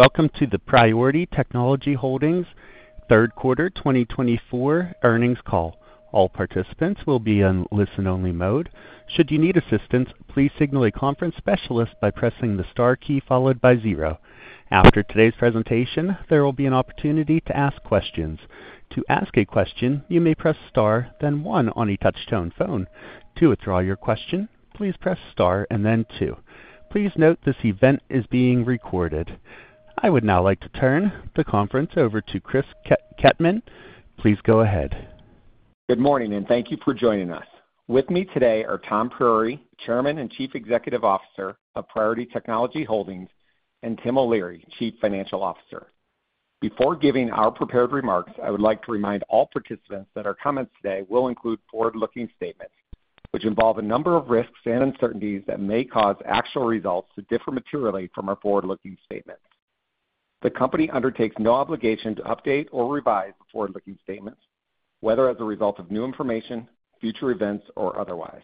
Welcome to the Priority Technology Holdings third quarter 2024 earnings call. All participants will be on listen-only mode. Should you need assistance, please signal a conference specialist by pressing the star key followed by zero. After today's presentation, there will be an opportunity to ask questions. To ask a question, you may press star, then one on a touch-tone phone. To withdraw your question, please press star and then two. Please note this event is being recorded. I would now like to turn the conference over to Chris Kettmann. Please go ahead. Good morning, and thank you for joining us. With me today are Tom Priore, Chairman and Chief Executive Officer of Priority Technology Holdings, and Tim O'Leary, Chief Financial Officer. Before giving our prepared remarks, I would like to remind all participants that our comments today will include forward-looking statements, which involve a number of risks and uncertainties that may cause actual results to differ materially from our forward-looking statements. The company undertakes no obligation to update or revise forward-looking statements, whether as a result of new information, future events, or otherwise.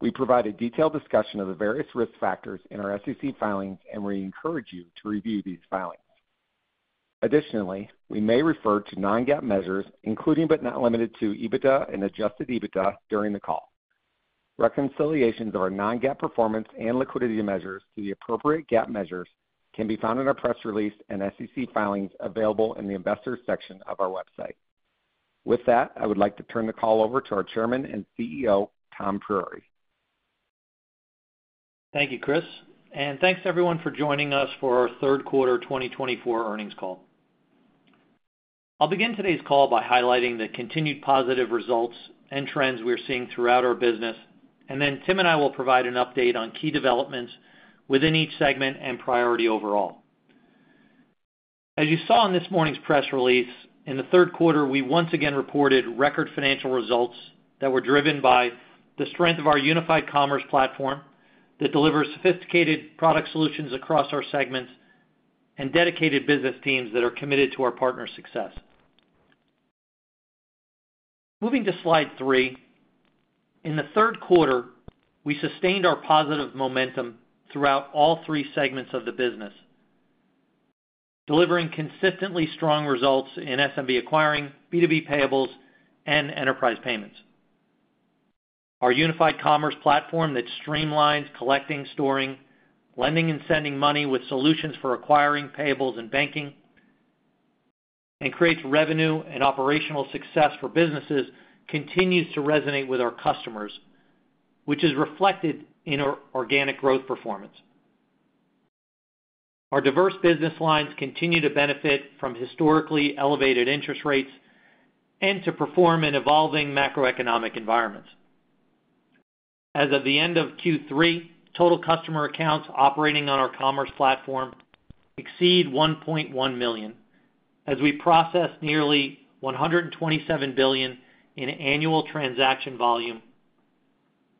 We provide a detailed discussion of the various risk factors in our SEC filings, and we encourage you to review these filings. Additionally, we may refer to non-GAAP measures, including but not limited to EBITDA and adjusted EBITDA, during the call. Reconciliations of our non-GAAP performance and liquidity measures to the appropriate GAAP measures can be found in our press release and SEC filings available in the investors' section of our website. With that, I would like to turn the call over to our Chairman and CEO, Tom Priore. Thank you, Chris. And thanks, everyone, for joining us for our third quarter 2024 earnings call. I'll begin today's call by highlighting the continued positive results and trends we're seeing throughout our business, and then Tim and I will provide an update on key developments within each segment and Priority overall. As you saw in this morning's press release, in the third quarter, we once again reported record financial results that were driven by the strength of our unified commerce platform that delivers sophisticated product solutions across our segments and dedicated business teams that are committed to our partners' success. Moving to slide three, in the third quarter, we sustained our positive momentum throughout all three segments of the business, delivering consistently strong results in SMB acquiring, B2B payables, and enterprise payments. Our unified commerce platform that streamlines collecting, storing, lending, and sending money with solutions for acquiring, payables, and banking, and creates revenue and operational success for businesses continues to resonate with our customers, which is reflected in our organic growth performance. Our diverse business lines continue to benefit from historically elevated interest rates and to perform in evolving macroeconomic environments. As of the end of Q3, total customer accounts operating on our commerce platform exceed 1.1 million, as we process nearly $127 billion in annual transaction volume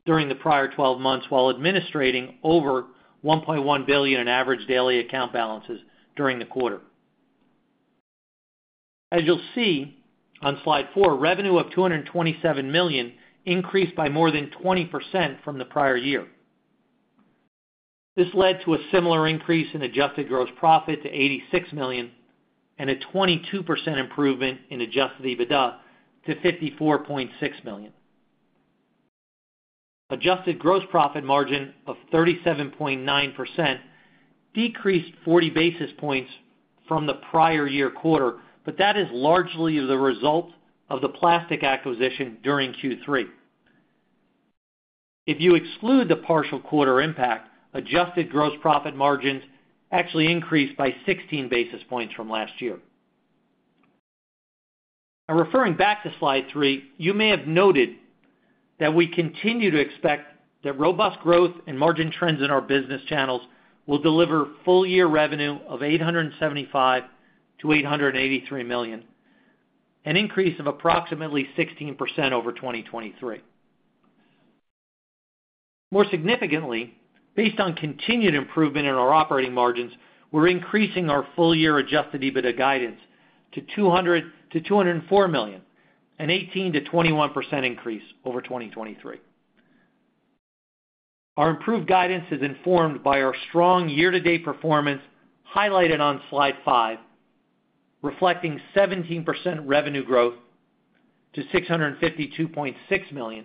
during the prior 12 months, while administrating over $1.1 billion in average daily account balances during the quarter. As you'll see on slide four, revenue of $227 million increased by more than 20% from the prior year. This led to a similar increase in adjusted gross profit to $86 million and a 22% improvement in adjusted EBITDA to $54.6 million. Adjusted Gross Profit margin of 37.9% decreased 40 basis points from the prior year quarter, but that is largely the result of the Plastiq acquisition during Q3. If you exclude the partial quarter impact, Adjusted Gross Profit margins actually increased by 16 basis points from last year. Now, referring back to slide three, you may have noted that we continue to expect that robust growth and margin trends in our business channels will deliver full-year revenue of $875-883 million, an increase of approximately 16% over 2023. More significantly, based on continued improvement in our operating margins, we're increasing our full-year Adjusted EBITDA guidance to $200-204 million, an 18-21% increase over 2023. Our improved guidance is informed by our strong year-to-date performance highlighted on slide five, reflecting 17% revenue growth to $652.6 million,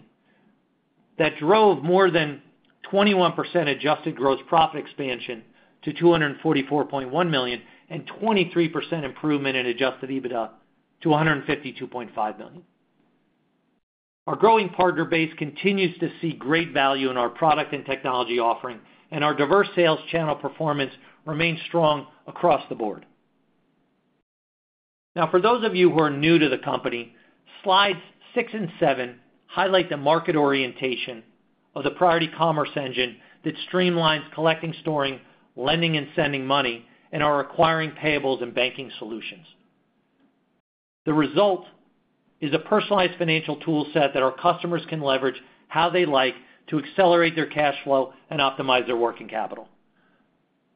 that drove more than 21% adjusted gross profit expansion to $244.1 million and 23% improvement in adjusted EBITDA to $152.5 million. Our growing partner base continues to see great value in our product and technology offering, and our diverse sales channel performance remains strong across the board. Now, for those of you who are new to the company, slides six and seven highlight the market orientation of the Priority Commerce Engine that streamlines collecting, storing, lending, and sending money in our acquiring, payables, and banking solutions. The result is a personalized financial toolset that our customers can leverage how they like to accelerate their cash flow and optimize their working capital.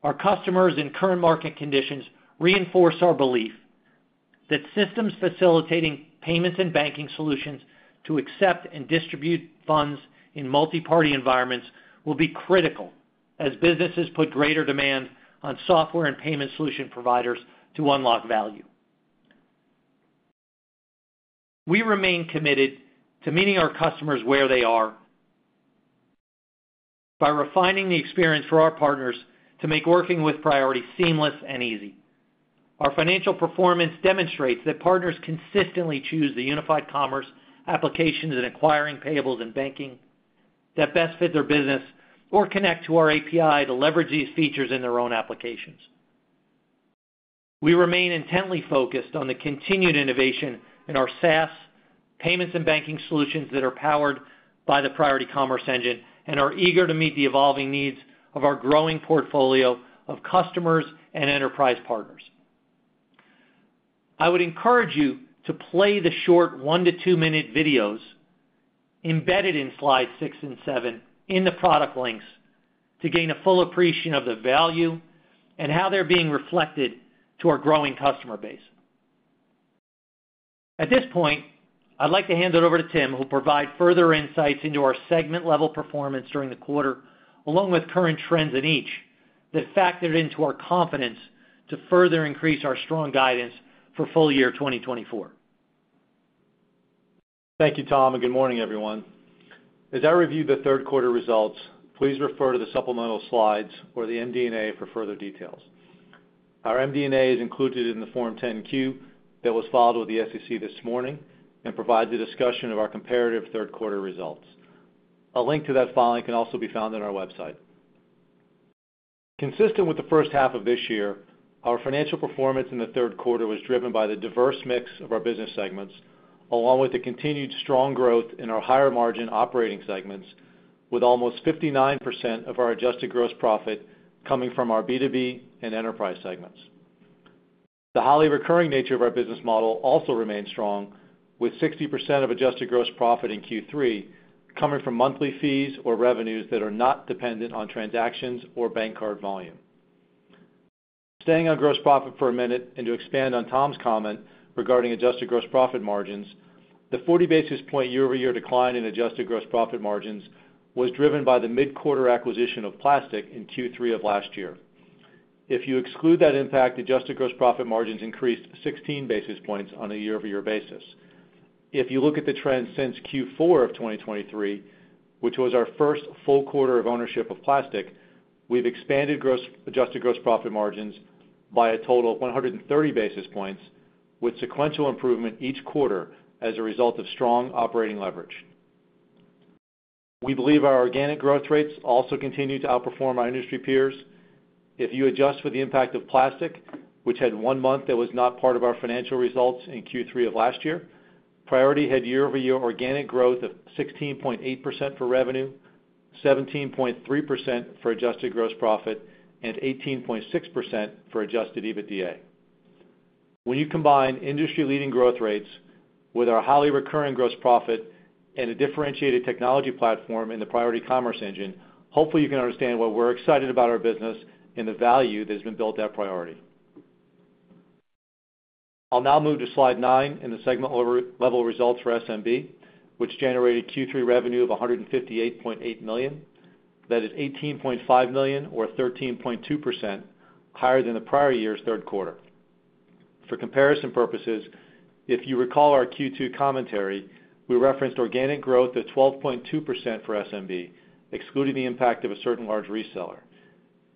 Our customers in current market conditions reinforce our belief that systems facilitating payments and banking solutions to accept and distribute funds in multiparty environments will be critical as businesses put greater demand on software and payment solution providers to unlock value. We remain committed to meeting our customers where they are by refining the experience for our partners to make working with Priority seamless and easy. Our financial performance demonstrates that partners consistently choose the unified commerce applications in acquiring, payables, and banking that best fit their business or connect to our API to leverage these features in their own applications. We remain intently focused on the continued innovation in our SaaS payments and banking solutions that are powered by the Priority Commerce Engine and are eager to meet the evolving needs of our growing portfolio of customers and enterprise partners. I would encourage you to play the short one- to two-minute videos embedded in slides six and seven in the product links to gain a full appreciation of the value and how they're being reflected to our growing customer base. At this point, I'd like to hand it over to Tim, who will provide further insights into our segment-level performance during the quarter, along with current trends in each that factored into our confidence to further increase our strong guidance for full year 2024. Thank you, Tom, and good morning, everyone. As I review the third quarter results, please refer to the supplemental slides or the MD&A for further details. Our MD&A is included in the Form 10-Q that was filed with the SEC this morning and provides a discussion of our comparative third quarter results. A link to that filing can also be found on our website. Consistent with the first half of this year, our financial performance in the third quarter was driven by the diverse mix of our business segments, along with the continued strong growth in our higher-margin operating segments, with almost 59% of our adjusted gross profit coming from our B2B and enterprise segments. The highly recurring nature of our business model also remains strong, with 60% of adjusted gross profit in Q3 coming from monthly fees or revenues that are not dependent on transactions or bank card volume. Staying on gross profit for a minute and to expand on Tom's comment regarding adjusted gross profit margins, the 40 basis point year-over-year decline in adjusted gross profit margins was driven by the mid-quarter acquisition of Plastiq in Q3 of last year. If you exclude that impact, adjusted gross profit margins increased 16 basis points on a year-over-year basis. If you look at the trend since Q4 of 2023, which was our first full quarter of ownership of Plastiq, we've expanded adjusted gross profit margins by a total of 130 basis points, with sequential improvement each quarter as a result of strong operating leverage. We believe our organic growth rates also continue to outperform our industry peers. If you adjust for the impact of Plastiq, which had one month that was not part of our financial results in Q3 of last year, Priority had year-over-year organic growth of 16.8% for revenue, 17.3% for adjusted gross profit, and 18.6% for adjusted EBITDA. When you combine industry-leading growth rates with our highly recurring gross profit and a differentiated technology platform in the Priority Commerce Engine, hopefully, you can understand why we're excited about our business and the value that has been built at Priority. I'll now move to slide nine in the segment-level results for SMB, which generated Q3 revenue of $158.8 million. That is $18.5 million or 13.2% higher than the prior year's third quarter. For comparison purposes, if you recall our Q2 commentary, we referenced organic growth of 12.2% for SMB, excluding the impact of a certain large reseller.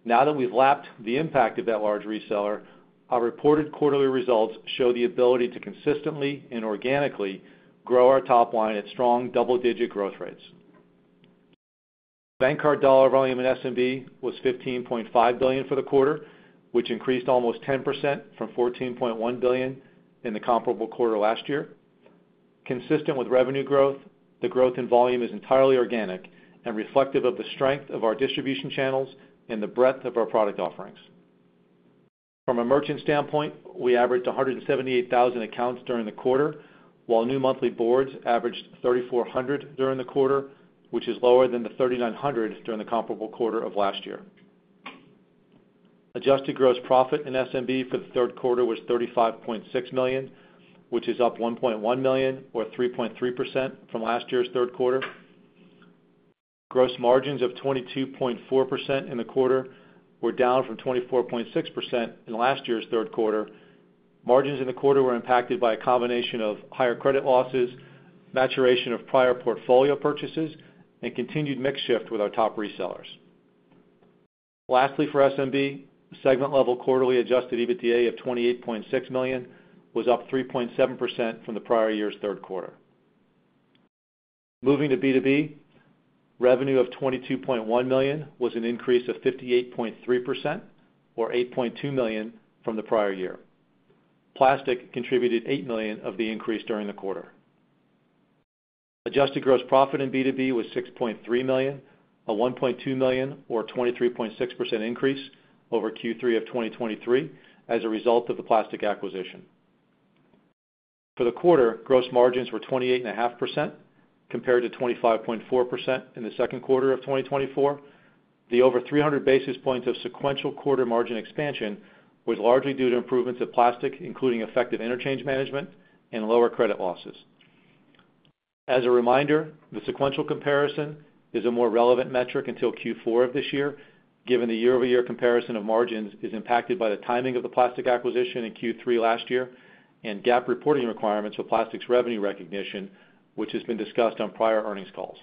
Now that we've lapped the impact of that large reseller, our reported quarterly results show the ability to consistently and organically grow our top line at strong double-digit growth rates. Bank card dollar volume in SMB was $15.5 billion for the quarter, which increased almost 10% from $14.1 billion in the comparable quarter last year. Consistent with revenue growth, the growth in volume is entirely organic and reflective of the strength of our distribution channels and the breadth of our product offerings. From a merchant standpoint, we averaged 178,000 accounts during the quarter, while new monthly boards averaged 3,400 during the quarter, which is lower than the 3,900 during the comparable quarter of last year. Adjusted gross profit in SMB for the third quarter was $35.6 million, which is up $1.1 million or 3.3% from last year's third quarter. Gross margins of 22.4% in the quarter were down from 24.6% in last year's third quarter. Margins in the quarter were impacted by a combination of higher credit losses, maturation of prior portfolio purchases, and continued mix shift with our top resellers. Lastly, for SMB, segment-level quarterly adjusted EBITDA of $28.6 million was up 3.7% from the prior year's third quarter. Moving to B2B, revenue of $22.1 million was an increase of 58.3% or $8.2 million from the prior year. Plastiq contributed $8 million of the increase during the quarter. Adjusted gross profit in B2B was $6.3 million, a $1.2 million or 23.6% increase over Q3 of 2023 as a result of the Plastiq acquisition. For the quarter, gross margins were 28.5% compared to 25.4% in the second quarter of 2024. The over 300 basis points of sequential quarter margin expansion was largely due to improvements at Plastiq, including effective interchange management and lower credit losses. As a reminder, the sequential comparison is a more relevant metric until Q4 of this year, given the year-over-year comparison of margins is impacted by the timing of the Plastiq acquisition in Q3 last year and GAAP reporting requirements for Plastiq's revenue recognition, which has been discussed on prior earnings calls.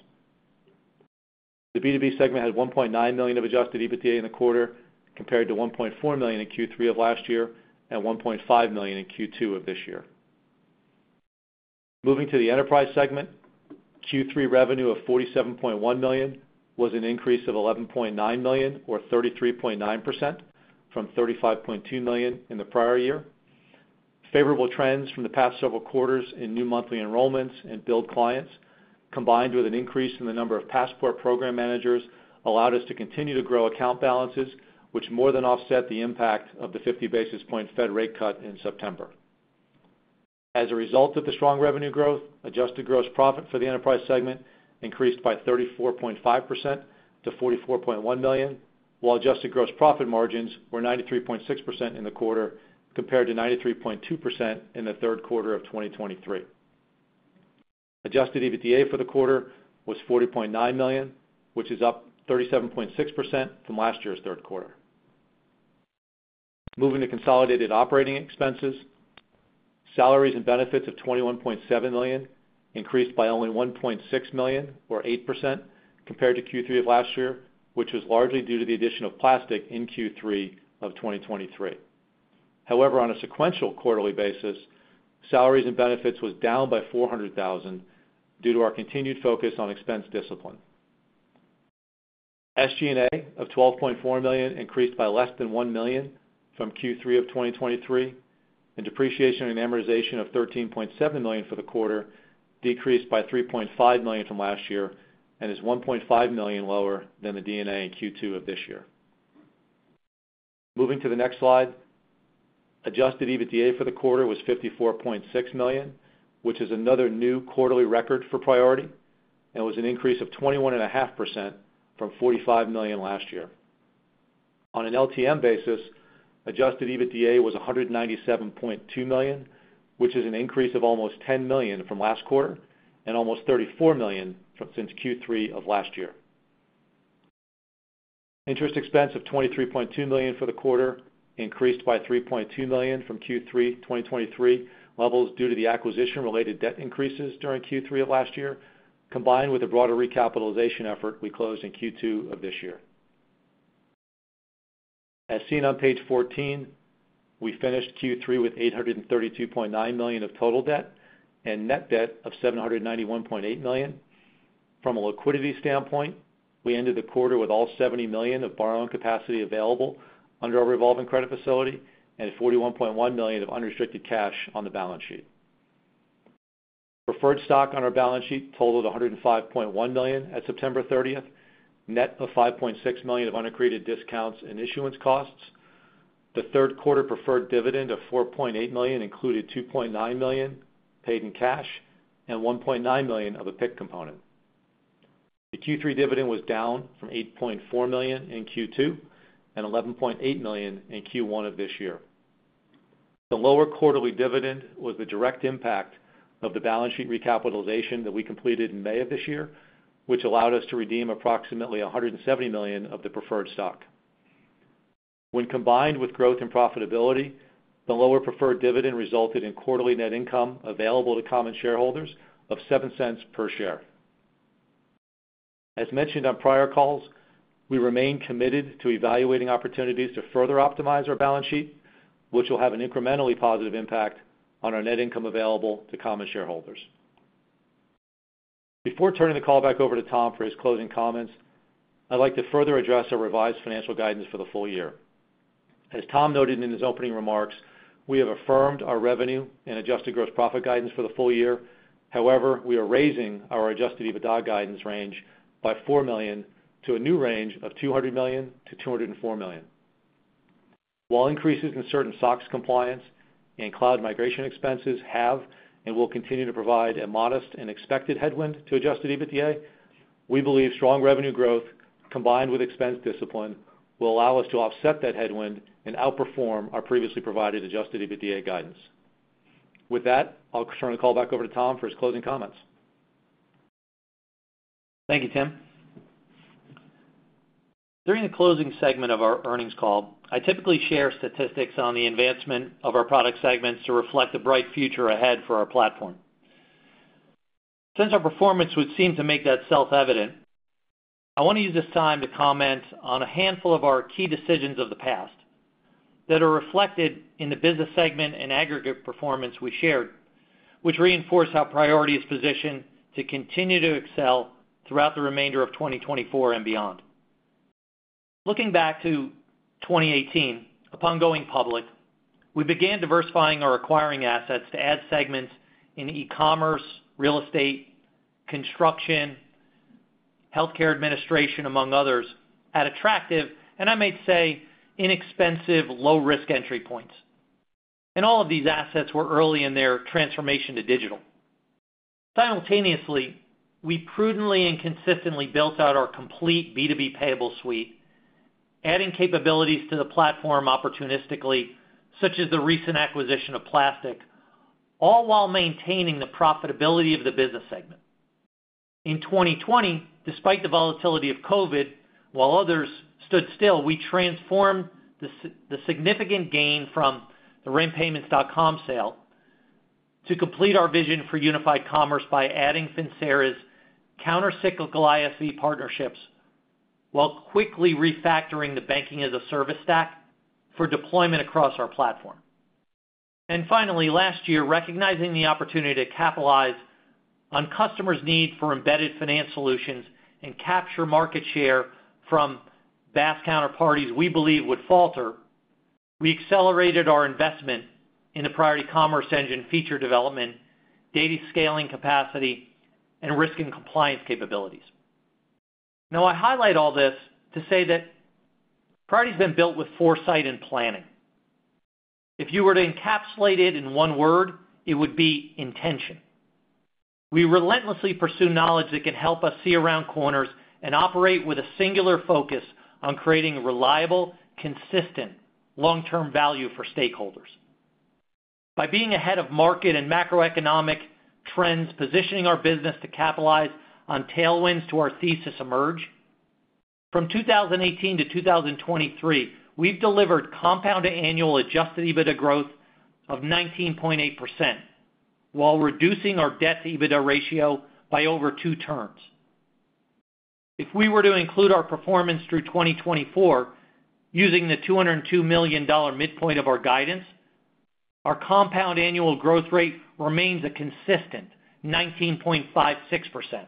The B2B segment had $1.9 million of adjusted EBITDA in the quarter compared to $1.4 million in Q3 of last year and $1.5 million in Q2 of this year. Moving to the enterprise segment, Q3 revenue of $47.1 million was an increase of $11.9 million or 33.9% from $35.2 million in the prior year. Favorable trends from the past several quarters in new monthly enrollments and billed clients, combined with an increase in the number of Passport program managers, allowed us to continue to grow account balances, which more than offset the impact of the 50 basis points Fed rate cut in September. As a result of the strong revenue growth, adjusted gross profit for the enterprise segment increased by 34.5% to $44.1 million, while adjusted gross profit margins were 93.6% in the quarter compared to 93.2% in the third quarter of 2023. Adjusted EBITDA for the quarter was $40.9 million, which is up 37.6% from last year's third quarter. Moving to consolidated operating expenses, salaries and benefits of $21.7 million increased by only $1.6 million or 8% compared to Q3 of last year, which was largely due to the addition of Plastiq in Q3 of 2023. However, on a sequential quarterly basis, salaries and benefits were down by $400,000 due to our continued focus on expense discipline. SG&A of $12.4 million increased by less than $1 million from Q3 of 2023, and depreciation and amortization of $13.7 million for the quarter decreased by $3.5 million from last year and is $1.5 million lower than the D&A in Q2 of this year. Moving to the next slide, adjusted EBITDA for the quarter was $54.6 million, which is another new quarterly record for Priority, and was an increase of 21.5% from $45 million last year. On an LTM basis, adjusted EBITDA was $197.2 million, which is an increase of almost $10 million from last quarter and almost $34 million since Q3 of last year. Interest expense of $23.2 million for the quarter increased by $3.2 million from Q3 2023 levels due to the acquisition-related debt increases during Q3 of last year, combined with a broader recapitalization effort we closed in Q2 of this year. As seen on page 14, we finished Q3 with $832.9 million of total debt and net debt of $791.8 million. From a liquidity standpoint, we ended the quarter with all $70 million of borrowing capacity available under our revolving credit facility and $41.1 million of unrestricted cash on the balance sheet. Preferred stock on our balance sheet totaled $105.1 million at September 30th, net of $5.6 million of unamortized discounts and issuance costs. The third quarter preferred dividend of $4.8 million included $2.9 million paid in cash and $1.9 million of a PIK component. The Q3 dividend was down from $8.4 million in Q2 and $11.8 million in Q1 of this year. The lower quarterly dividend was the direct impact of the balance sheet recapitalization that we completed in May of this year, which allowed us to redeem approximately $170 million of the preferred stock. When combined with growth and profitability, the lower preferred dividend resulted in quarterly net income available to common shareholders of $0.07 per share. As mentioned on prior calls, we remain committed to evaluating opportunities to further optimize our balance sheet, which will have an incrementally positive impact on our net income available to common shareholders. Before turning the call back over to Tom for his closing comments, I'd like to further address our revised financial guidance for the full year. As Tom noted in his opening remarks, we have affirmed our revenue and adjusted gross profit guidance for the full year. However, we are raising our adjusted EBITDA guidance range by $4 million to a new range of $200 million-$204 million. While increases in certain SOX compliance and cloud migration expenses have and will continue to provide a modest and expected headwind to adjusted EBITDA, we believe strong revenue growth combined with expense discipline will allow us to offset that headwind and outperform our previously provided adjusted EBITDA guidance. With that, I'll turn the call back over to Tom for his closing comments. Thank you, Tim. During the closing segment of our earnings call, I typically share statistics on the advancement of our product segments to reflect a bright future ahead for our platform. Since our performance would seem to make that self-evident, I want to use this time to comment on a handful of our key decisions of the past that are reflected in the business segment and aggregate performance we shared, which reinforce how Priority is positioned to continue to excel throughout the remainder of 2024 and beyond. Looking back to 2018, upon going public, we began diversifying our acquiring assets to add segments in e-commerce, real estate, construction, healthcare administration, among others, at attractive, and I may say, inexpensive, low-risk entry points, and all of these assets were early in their transformation to digital. Simultaneously, we prudently and consistently built out our complete B2B payable suite, adding capabilities to the platform opportunistically, such as the recent acquisition of Plastiq, all while maintaining the profitability of the business segment. In 2020, despite the volatility of COVID, while others stood still, we transformed the significant gain from the RentPayment.com sale to complete our vision for unified commerce by adding Finxera's countercyclical ISV partnerships while quickly refactoring the banking-as-a-service stack for deployment across our platform. And finally, last year, recognizing the opportunity to capitalize on customers' need for embedded finance solutions and capture market share from BaaS counterparties we believe would falter, we accelerated our investment in the Priority Commerce Engine feature development, data scaling capacity, and risk and compliance capabilities. Now, I highlight all this to say that Priority has been built with foresight and planning. If you were to encapsulate it in one word, it would be intention. We relentlessly pursue knowledge that can help us see around corners and operate with a singular focus on creating reliable, consistent long-term value for stakeholders. By being ahead of market and macroeconomic trends, positioning our business to capitalize on tailwinds to our thesis emerge. From 2018 to 2023, we've delivered compound annual adjusted EBITDA growth of 19.8% while reducing our debt-to-EBITDA ratio by over two turns. If we were to include our performance through 2024, using the $202 million midpoint of our guidance, our compound annual growth rate remains a consistent 19.56%.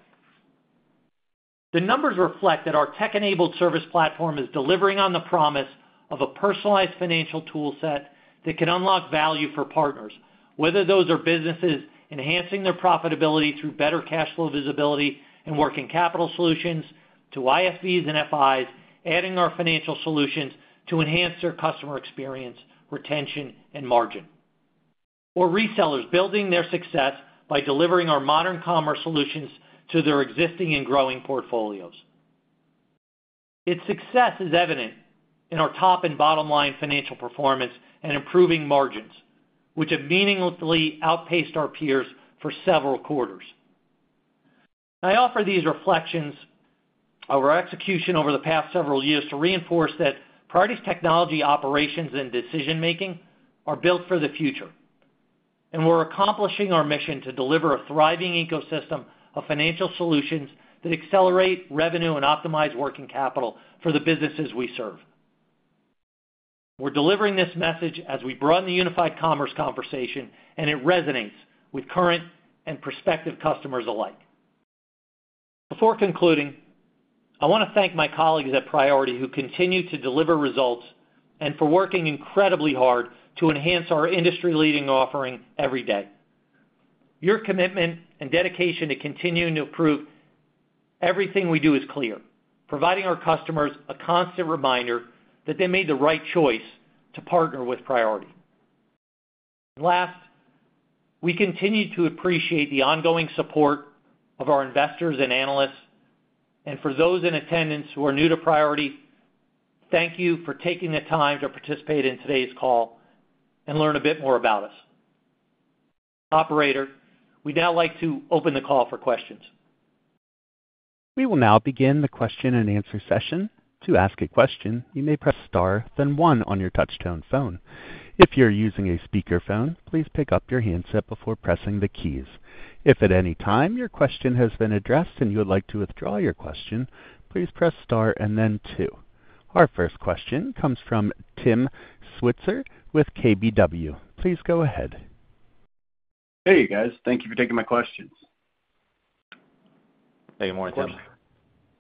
The numbers reflect that our tech-enabled service platform is delivering on the promise of a personalized financial toolset that can unlock value for partners, whether those are businesses enhancing their profitability through better cash flow visibility and working capital solutions to ISVs and FIs, adding our financial solutions to enhance their customer experience, retention, and margin, or resellers building their success by delivering our modern commerce solutions to their existing and growing portfolios. Its success is evident in our top and bottom-line financial performance and improving margins, which have meaningfully outpaced our peers for several quarters. I offer these reflections of our execution over the past several years to reinforce that Priority's technology operations and decision-making are built for the future, and we're accomplishing our mission to deliver a thriving ecosystem of financial solutions that accelerate revenue and optimize working capital for the businesses we serve. We're delivering this message as we broaden the unified commerce conversation, and it resonates with current and prospective customers alike. Before concluding, I want to thank my colleagues at Priority who continue to deliver results and for working incredibly hard to enhance our industry-leading offering every day. Your commitment and dedication to continuing to improve everything we do is clear, providing our customers a constant reminder that they made the right choice to partner with Priority. Last, we continue to appreciate the ongoing support of our investors and analysts. And for those in attendance who are new to Priority, thank you for taking the time to participate in today's call and learn a bit more about us. Operator, we'd now like to open the call for questions. We will now begin the question and answer session. To ask a question, you may press star, then one on your touch-tone phone. If you're using a speakerphone, please pick up your handset before pressing the keys. If at any time your question has been addressed and you would like to withdraw your question, please press star and then two. Our first question comes from Tim Switzer with KBW. Please go ahead. Hey, guys. Thank you for taking my questions. Hey, good morning, Tim.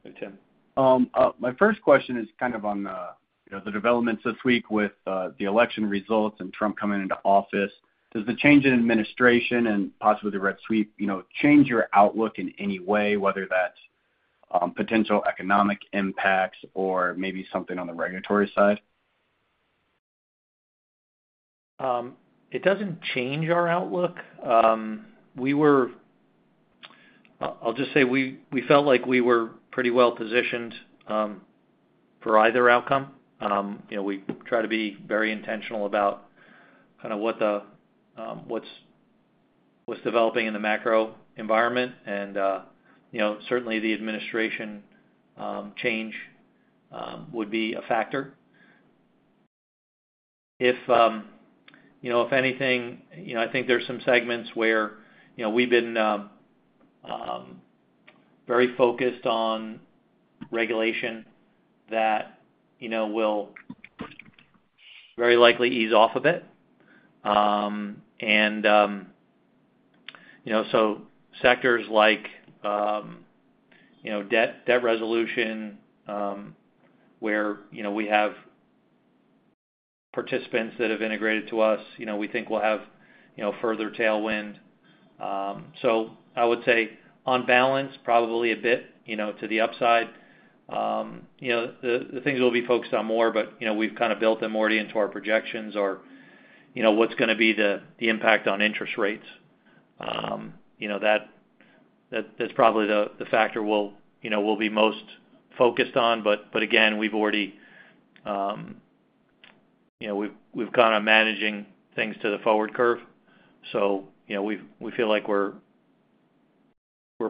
Hey, Tim. My first question is kind of on the developments this week with the election results and Trump coming into office. Does the change in administration and possibly the red sweep change your outlook in any way, whether that's potential economic impacts or maybe something on the regulatory side? It doesn't change our outlook. I'll just say we felt like we were pretty well positioned for either outcome. We try to be very intentional about kind of what's developing in the macro environment, and certainly, the administration change would be a factor. If anything, I think there's some segments where we've been very focused on regulation that will very likely ease off a bit, and so sectors like debt resolution, where we have participants that have integrated to us, we think we'll have further tailwind, so I would say on balance, probably a bit to the upside. The things we'll be focused on more, but we've kind of built them already into our projections, are what's going to be the impact on interest rates. That's probably the factor we'll be most focused on, but again, we've already kind of managing things to the forward curve. We feel like we're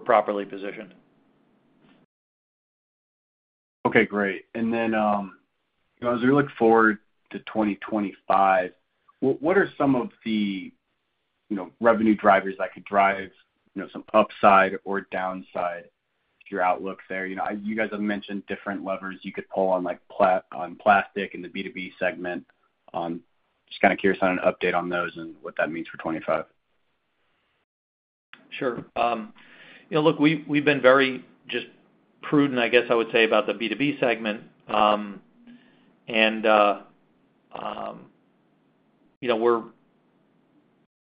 properly positioned. Okay, great. And then as we look forward to 2025, what are some of the revenue drivers that could drive some upside or downside to your outlook there? You guys have mentioned different levers you could pull on Plastiq and the B2B segment. Just kind of curious on an update on those and what that means for 2025. Sure. Look, we've been very just prudent, I guess I would say, about the B2B segment.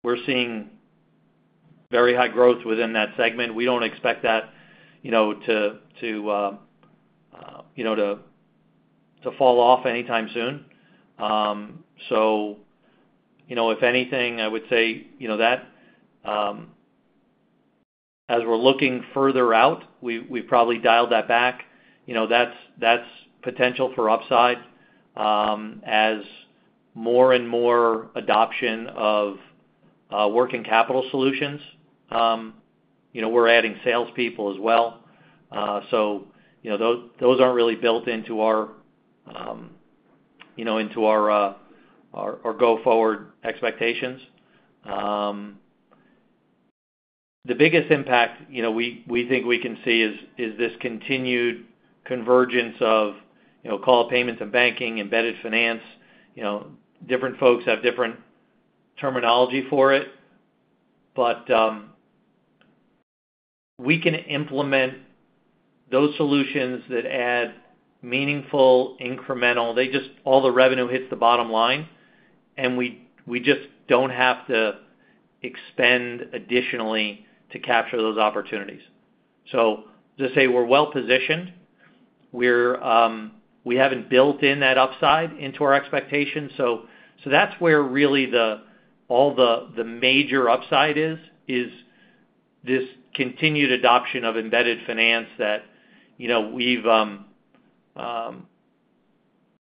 We're seeing very high growth within that segment. We don't expect that to fall off anytime soon. If anything, I would say that as we're looking further out, we've probably dialed that back. That's potential for upside as more and more adoption of working capital solutions. We're adding salespeople as well. Those aren't really built into our go-forward expectations. The biggest impact we think we can see is this continued convergence of card payments and banking, embedded finance. Different folks have different terminology for it. We can implement those solutions that add meaningful incremental. All the revenue hits the bottom line, and we just don't have to expend additionally to capture those opportunities. To say we're well positioned, we haven't built in that upside into our expectations. So that's where really all the major upside is, is this continued adoption of embedded finance that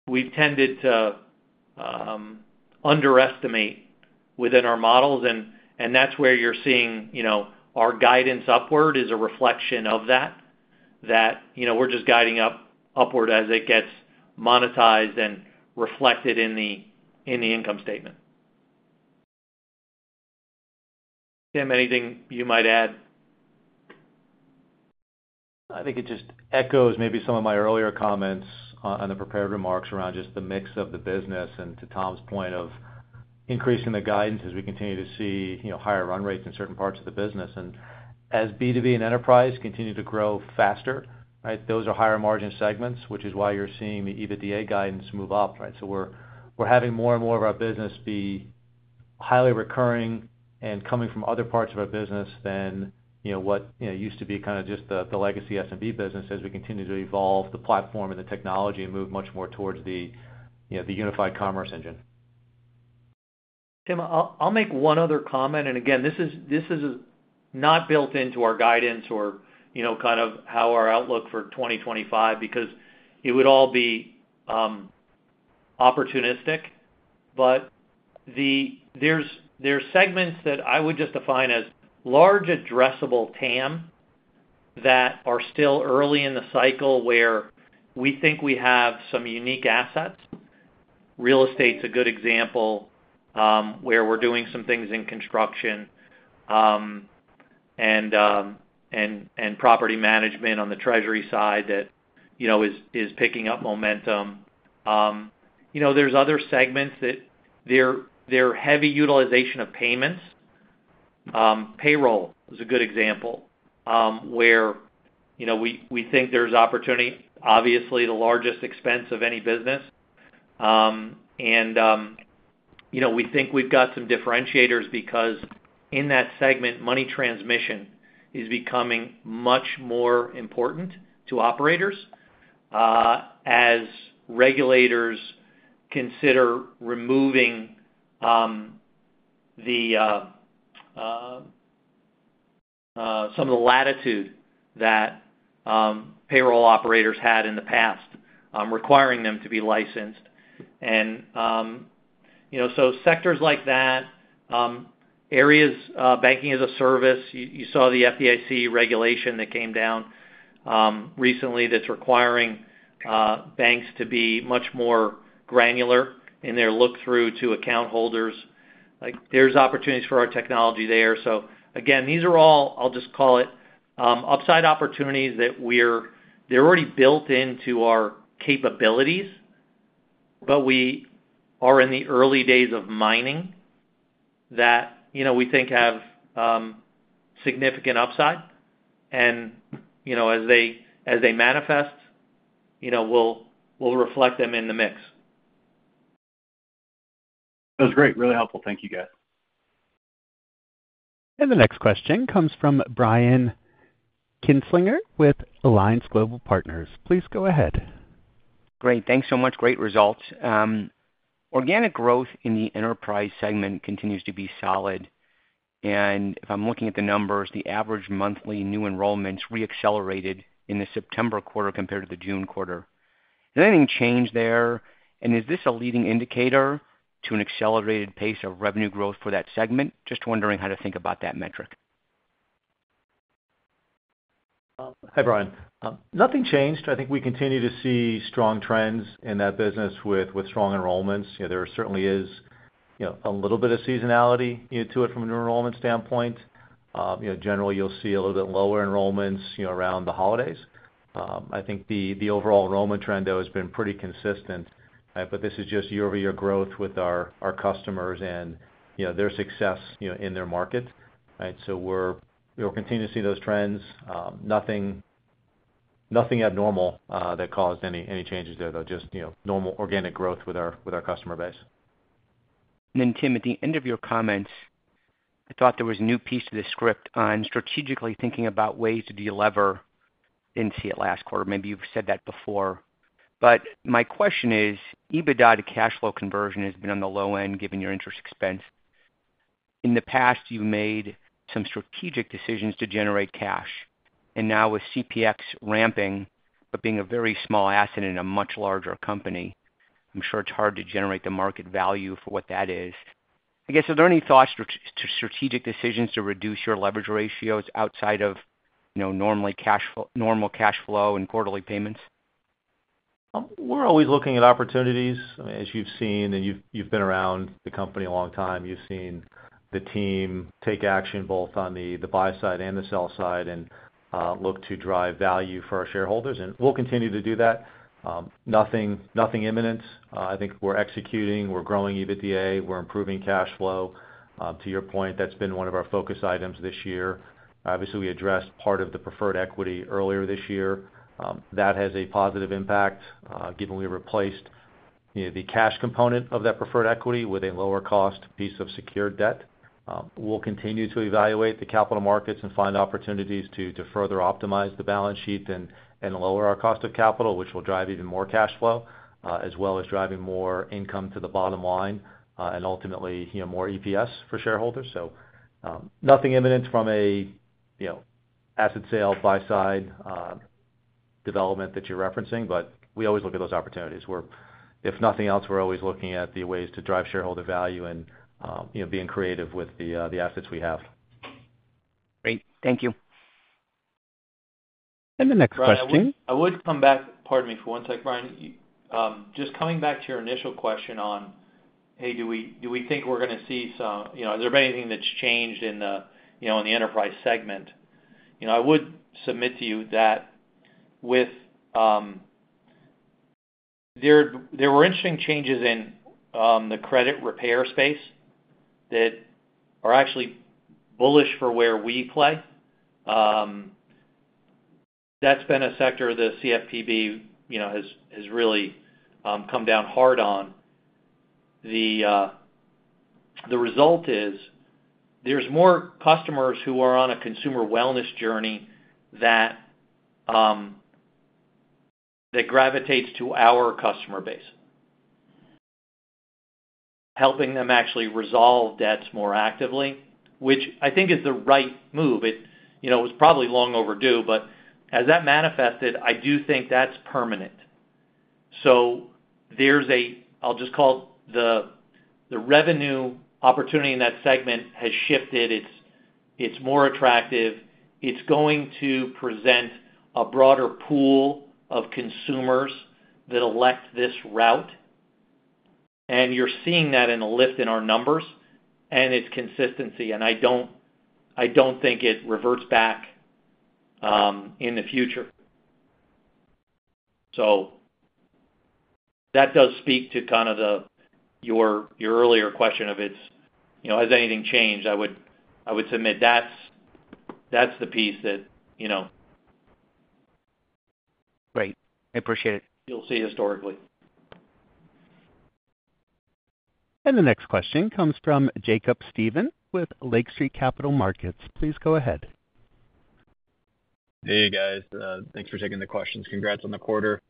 we've tended to underestimate within our models. And that's where you're seeing our guidance upward is a reflection of that, that we're just guiding upward as it gets monetized and reflected in the income statement. Tim, anything you might add? I think it just echoes maybe some of my earlier comments on the prepared remarks around just the mix of the business and to Tom's point of increasing the guidance as we continue to see higher run rates in certain parts of the business, and as B2B and enterprise continue to grow faster, those are higher margin segments, which is why you're seeing the EBITDA guidance move up, so we're having more and more of our business be highly recurring and coming from other parts of our business than what used to be kind of just the legacy SMB business as we continue to evolve the platform and the technology and move much more towards the unified commerce engine. Tim, I'll make one other comment. And again, this is not built into our guidance or kind of how our outlook for 2025 because it would all be opportunistic. But there are segments that I would just define as large addressable TAM that are still early in the cycle where we think we have some unique assets. Real estate's a good example where we're doing some things in construction and property management on the Treasury side that is picking up momentum. There's other segments that they're heavy utilization of payments. Payroll is a good example where we think there's opportunity. Obviously, the largest expense of any business. And we think we've got some differentiators because in that segment, money transmission is becoming much more important to operators as regulators consider removing some of the latitude that payroll operators had in the past, requiring them to be licensed. And so sectors like that, areas banking as a service, you saw the FDIC regulation that came down recently that's requiring banks to be much more granular in their look-through to account holders. There's opportunities for our technology there. So again, these are all, I'll just call it, upside opportunities that they're already built into our capabilities, but we are in the early days of mining that we think have significant upside. And as they manifest, we'll reflect them in the mix. That was great. Really helpful. Thank you, guys. The next question comes from Brian Kinstlinger with Alliance Global Partners. Please go ahead. Great. Thanks so much. Great results. Organic growth in the enterprise segment continues to be solid. And if I'm looking at the numbers, the average monthly new enrollments re-accelerated in the September quarter compared to the June quarter. Did anything change there? And is this a leading indicator to an accelerated pace of revenue growth for that segment? Just wondering how to think about that metric. Hi, Brian. Nothing changed. I think we continue to see strong trends in that business with strong enrollments. There certainly is a little bit of seasonality to it from an enrollment standpoint. Generally, you'll see a little bit lower enrollments around the holidays. I think the overall enrollment trend, though, has been pretty consistent. But this is just year-over-year growth with our customers and their success in their market. So we're continuing to see those trends. Nothing abnormal that caused any changes there, though. Just normal organic growth with our customer base. And then Tim, at the end of your comments, I thought there was a new piece to the script on strategically thinking about ways to deliver in the last quarter. Maybe you've said that before. But my question is, EBITDA to cash flow conversion has been on the low end given your interest expense. In the past, you made some strategic decisions to generate cash. And now with CPX ramping, but being a very small asset in a much larger company, I'm sure it's hard to generate the market value for what that is. I guess, are there any thoughts to strategic decisions to reduce your leverage ratios outside of normal cash flow and quarterly payments? We're always looking at opportunities. As you've seen, and you've been around the company a long time, you've seen the team take action both on the buy side and the sell side and look to drive value for our shareholders. And we'll continue to do that. Nothing imminent. I think we're executing. We're growing EBITDA. We're improving cash flow. To your point, that's been one of our focus items this year. Obviously, we addressed part of the preferred equity earlier this year. That has a positive impact given we replaced the cash component of that preferred equity with a lower-cost piece of secured debt. We'll continue to evaluate the capital markets and find opportunities to further optimize the balance sheet and lower our cost of capital, which will drive even more cash flow, as well as driving more income to the bottom line and ultimately more EPS for shareholders. Nothing imminent from an asset sale buy-side development that you're referencing, but we always look at those opportunities. If nothing else, we're always looking at the ways to drive shareholder value and being creative with the assets we have. Great. Thank you. The next question. I would come back, pardon me for one sec, Brian, just coming back to your initial question on, "Hey, do we think we're going to see some, has there been anything that's changed in the enterprise segment?" I would submit to you that there were interesting changes in the credit repair space that are actually bullish for where we play. That's been a sector the CFPB has really come down hard on. The result is there's more customers who are on a consumer wellness journey that gravitates to our customer base, helping them actually resolve debts more actively, which I think is the right move. It was probably long overdue, but as that manifested, I do think that's permanent. So there's a, I'll just call it the revenue opportunity in that segment has shifted. It's more attractive. It's going to present a broader pool of consumers that elect this route. And you're seeing that in a lift in our numbers and its consistency. And I don't think it reverts back in the future. So that does speak to kind of your earlier question of, "Has anything changed?" I would submit that's the piece that. Great. I appreciate it. You'll see historically. And the next question comes from Jacob Stephan with Lake Street Capital Markets. Please go ahead. Hey, guys. Thanks for taking the questions. Congrats on the quarter.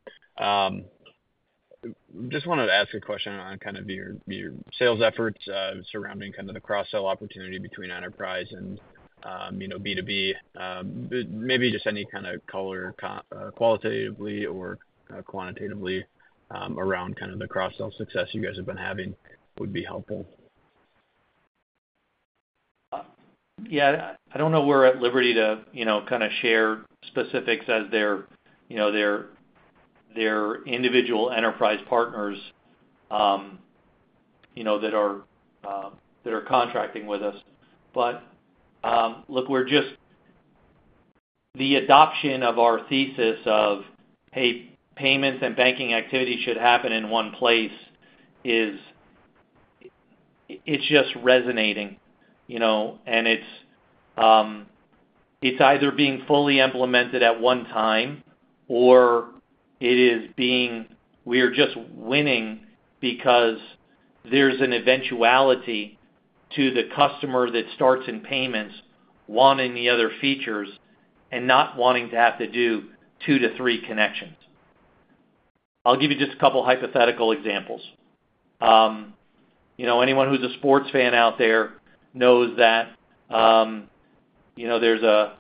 Just wanted to ask a question on kind of your sales efforts surrounding kind of the cross-sell opportunity between enterprise and B2B. Maybe just any kind of color qualitatively or quantitatively around kind of the cross-sell success you guys have been having would be helpful. Yeah. I don't know where at liberty to kind of share specifics as they're individual enterprise partners that are contracting with us. But look, the adoption of our thesis of, "Hey, payments and banking activity should happen in one place," it's just resonating, and it's either being fully implemented at one time or it is being, we are just winning because there's an eventuality to the customer that starts in payments wanting the other features and not wanting to have to do two to three connections. I'll give you just a couple of hypothetical examples. Anyone who's a sports fan out there knows that there's a,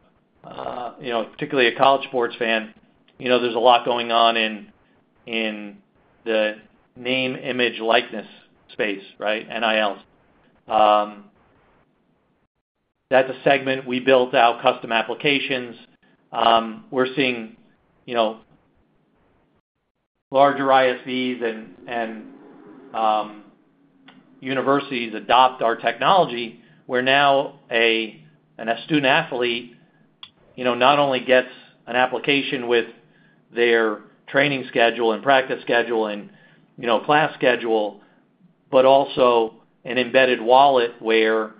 particularly a college sports fan, there's a lot going on in the name, image, likeness space, right? NILs. That's a segment. We built out custom applications. We're seeing larger ISVs and universities adopt our technology where now a student athlete not only gets an application with their training schedule and practice schedule and class schedule, but also an embedded wallet where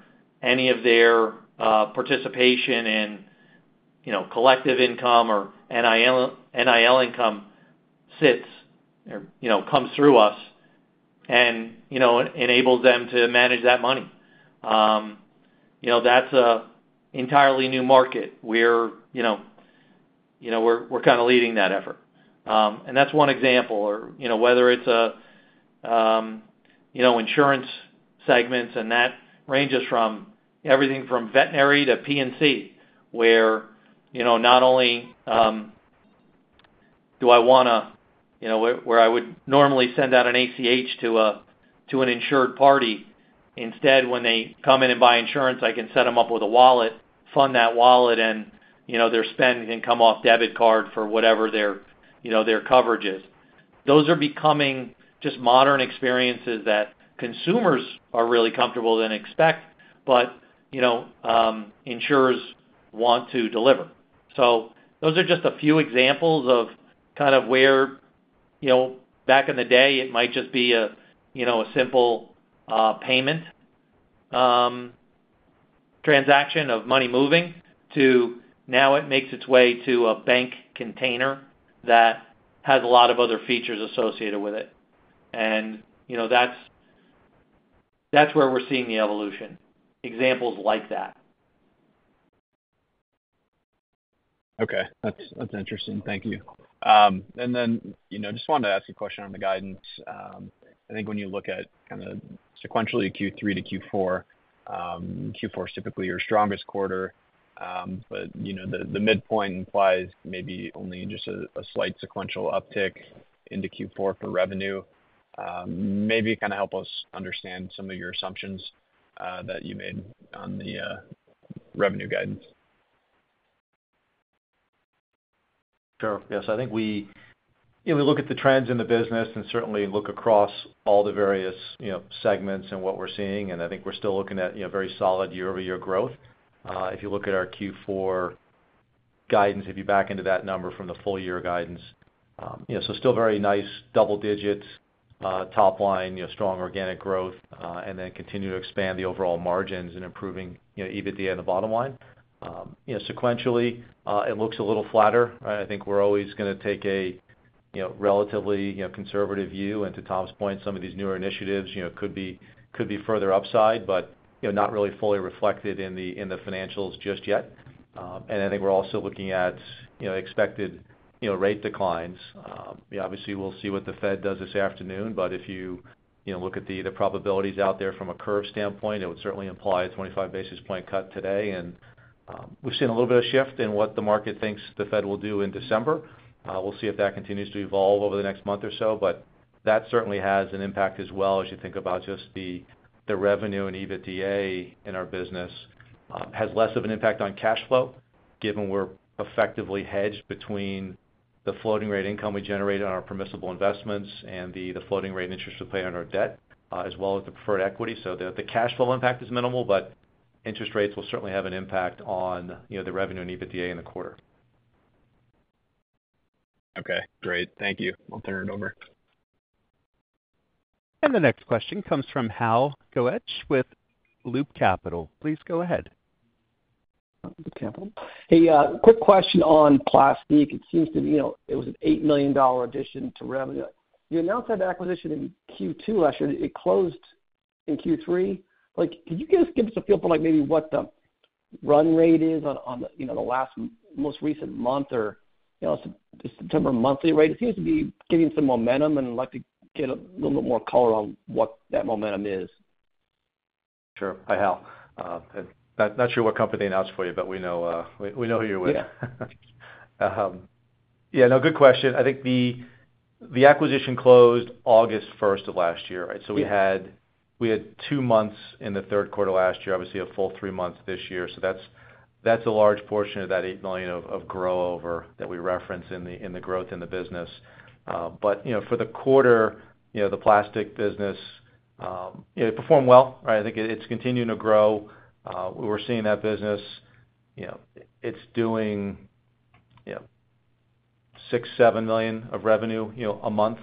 any of their participation and collective income or NIL income sits or comes through us and enables them to manage that money. That's an entirely new market where we're kind of leading that effort, and that's one example, or whether it's insurance segments, and that ranges from everything from veterinary to P&C where I would normally send out an ACH to an insured party. Instead, when they come in and buy insurance, I can set them up with a wallet, fund that wallet, and their spend can come off debit card for whatever their coverage is. Those are becoming just modern experiences that consumers are really comfortable and expect, but insurers want to deliver. So those are just a few examples of kind of where back in the day, it might just be a simple payment transaction of money moving to now it makes its way to a bank container that has a lot of other features associated with it. And that's where we're seeing the evolution. Examples like that. Okay. That's interesting. Thank you. And then just wanted to ask a question on the guidance. I think when you look at kind of sequentially Q3 to Q4, Q4 is typically your strongest quarter, but the midpoint implies maybe only just a slight sequential uptick into Q4 for revenue. Maybe kind of help us understand some of your assumptions that you made on the revenue guidance. Sure. Yes. I think we look at the trends in the business and certainly look across all the various segments and what we're seeing. I think we're still looking at very solid year-over-year growth. If you look at our Q4 guidance, if you back into that number from the full-year guidance, so still very nice double-digit top line, strong organic growth, and then continue to expand the overall margins and improving EBITDA and the bottom line. Sequentially, it looks a little flatter. I think we're always going to take a relatively conservative view and to Tom's point, some of these newer initiatives could be further upside, but not really fully reflected in the financials just yet. I think we're also looking at expected rate declines. Obviously, we'll see what the Fed does this afternoon, but if you look at the probabilities out there from a curve standpoint, it would certainly imply a 25 basis points cut today, and we've seen a little bit of a shift in what the market thinks the Fed will do in December. We'll see if that continues to evolve over the next month or so, but that certainly has an impact as well as you think about just the revenue and EBITDA in our business has less of an impact on cash flow given we're effectively hedged between the floating rate income we generate on our permissible investments and the floating rate interest we pay on our debt as well as the preferred equity, so the cash flow impact is minimal, but interest rates will certainly have an impact on the revenue and EBITDA in the quarter. Okay. Great. Thank you. I'll turn it over. The next question comes from Hal Goetsch with Loop Capital. Please go ahead. Loop Capital. Hey, quick question on Plastiq. It seems to me it was an $8 million addition to revenue. You announced that acquisition in Q2 last year. It closed in Q3. Could you guys give us a feel for maybe what the run rate is on the last most recent month or September monthly rate? It seems to be getting some momentum and would like to get a little bit more color on what that momentum is. Sure. Hi, Hal. Not sure what company announced for you, but we know who you're with. Yeah. No, good question. I think the acquisition closed August 1st of last year, right? So we had two months in the third quarter last year, obviously a full three months this year. So that's a large portion of that $8 million of growth over that we reference in the growth in the business. But for the quarter, the Plastiq business performed well, right? I think it's continuing to grow. We're seeing that business. It's doing $6-$7 million of revenue a month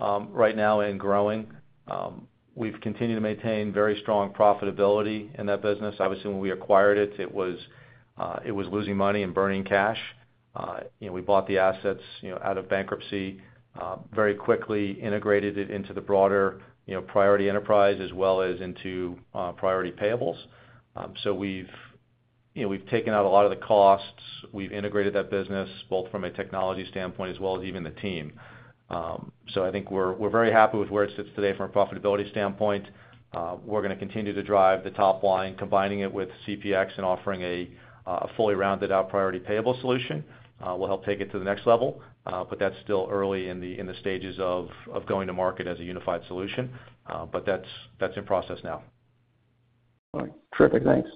right now and growing. We've continued to maintain very strong profitability in that business. Obviously, when we acquired it, it was losing money and burning cash. We bought the assets out of bankruptcy very quickly, integrated it into the broader Priority enterprise as well as into Priority Payables. So we've taken out a lot of the costs. We've integrated that business both from a technology standpoint as well as even the team. So I think we're very happy with where it sits today from a profitability standpoint. We're going to continue to drive the top line, combining it with CPX and offering a fully rounded-out Priority Payables solution. We'll help take it to the next level, but that's still early in the stages of going to market as a unified solution, but that's in process now. All right. Terrific. Thanks.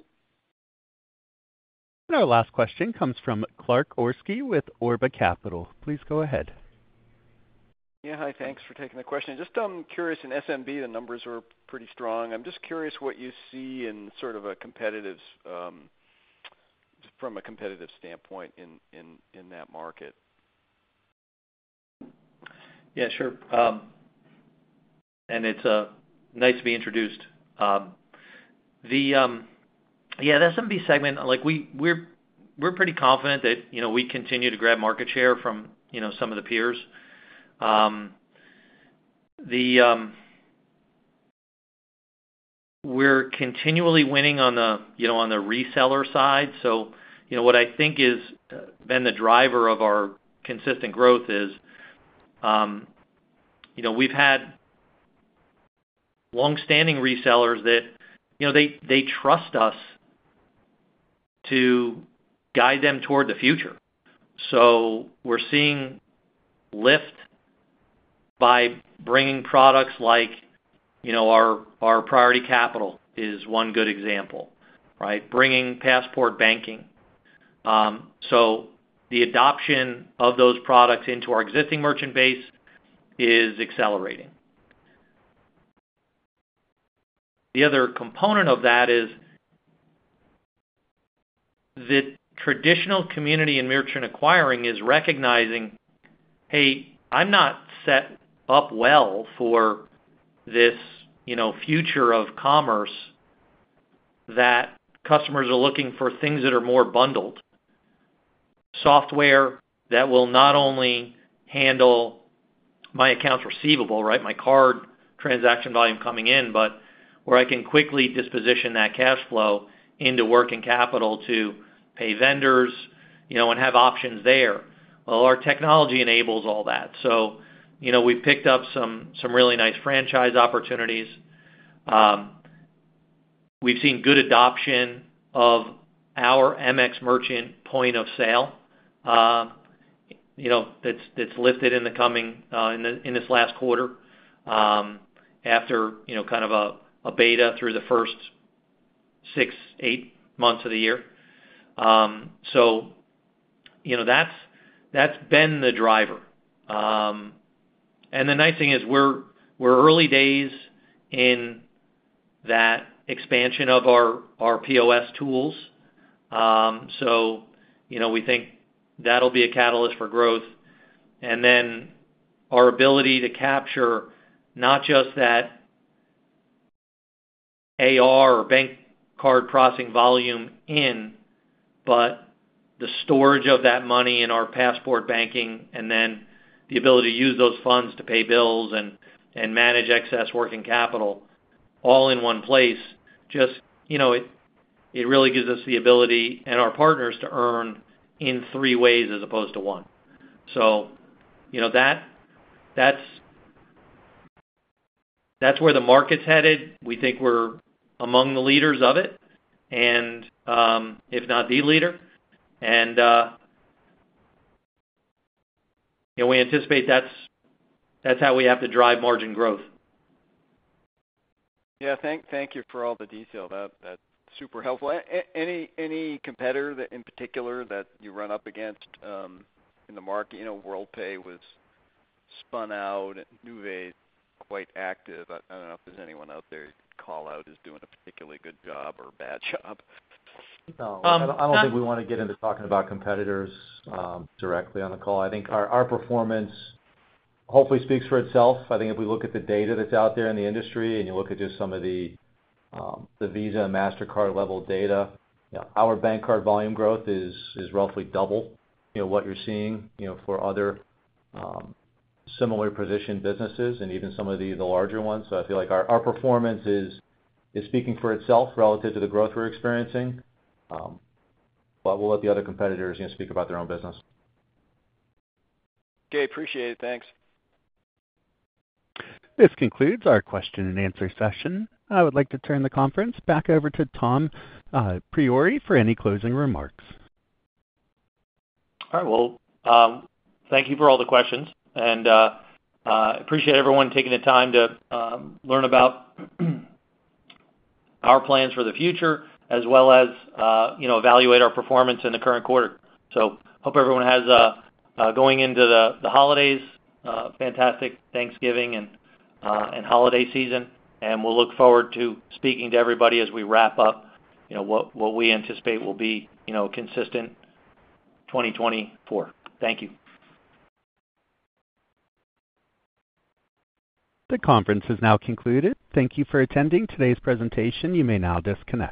Our last question comes from Clark Orsky with Obra Capital. Please go ahead. Yeah. Hi. Thanks for taking the question. Just curious, in SMB, the numbers were pretty strong. I'm just curious what you see from a competitive standpoint in that market. Yeah. Sure. It's nice to be introduced. Yeah, the SMB segment, we're pretty confident that we continue to grab market share from some of the peers. We're continually winning on the reseller side. So what I think has been the driver of our consistent growth is we've had long-standing resellers that they trust us to guide them toward the future. So we're seeing lift by bringing products like our Priority Capital is one good example, right? Bringing Passport banking. So the adoption of those products into our existing merchant base is accelerating. The other component of that is the traditional community in merchant acquiring is recognizing, "Hey, I'm not set up well for this future of commerce that customers are looking for things that are more bundled, software that will not only handle my accounts receivable, right, my card transaction volume coming in, but where I can quickly disposition that cash flow into working capital to pay vendors and have options there." Well, our technology enables all that. So we've picked up some really nice franchise opportunities. We've seen good adoption of our MX Merchant point of sale that's lifted in this last quarter after kind of a beta through the first six, eight months of the year. So that's been the driver. And the nice thing is we're early days in that expansion of our POS tools. So we think that'll be a catalyst for growth. And then our ability to capture not just that AR or bank card processing volume in, but the storage of that money in our Passport banking and then the ability to use those funds to pay bills and manage excess working capital all in one place just it really gives us the ability and our partners to earn in three ways as opposed to one. So that's where the market's headed. We think we're among the leaders of it, and if not the leader. And we anticipate that's how we have to drive margin growth. Yeah. Thank you for all the detail. That's super helpful. Any competitor in particular that you run up against in the market? Worldpay was spun out. Nuvei is quite active. I don't know if there's anyone out there you'd call out as doing a particularly good job or a bad job? No. I don't think we want to get into talking about competitors directly on the call. I think our performance hopefully speaks for itself. I think if we look at the data that's out there in the industry and you look at just some of the Visa and Mastercard level data, our bank card volume growth is roughly double what you're seeing for other similar-positioned businesses and even some of the larger ones. So I feel like our performance is speaking for itself relative to the growth we're experiencing. But we'll let the other competitors speak about their own business. Okay. Appreciate it. Thanks. This concludes our question and answer session. I would like to turn the conference back over to Tom Priore for any closing remarks. All right, well, thank you for all the questions. And I appreciate everyone taking the time to learn about our plans for the future as well as evaluate our performance in the current quarter. So, hope everyone has a great going into the holidays, fantastic Thanksgiving and holiday season, and we'll look forward to speaking to everybody as we wrap up what we anticipate will be a consistent 2024. Thank you. The conference has now concluded. Thank you for attending today's presentation. You may now disconnect.